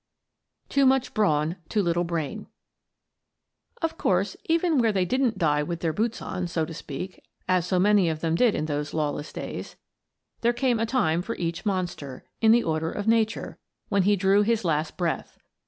] TOO MUCH BRAWN, TOO LITTLE BRAIN Of course, even where they didn't die with their boots on, so to speak, as so many of them did in those lawless days, there came a time for each monster, in the order of nature, when he drew his last breath.